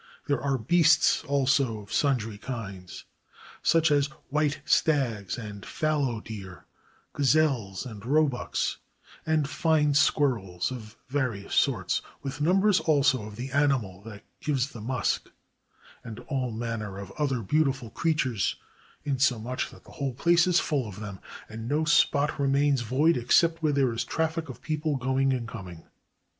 There are beasts also of sundry kinds, such as white stags and fallow deer, gazelles, and roebucks, and fine squirrels of various sorts, with numbers also of the ani mal that gives the musk, and all manner of other beauti ful creatures, insomuch that the whole place is full of them, and no spot remains void except where there is traffic of people going and coming.